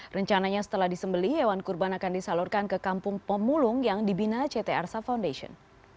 rencananya setelah disembeli hewan kurban akan disalurkan ke kampung pemulung yang dibina ct arsa foundation